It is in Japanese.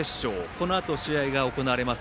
このあと、試合が行われます